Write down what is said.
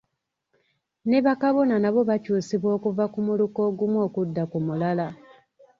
Ne bakabona nabo bakyusibwa okuva ku muluka ogumu okudda ku mulala.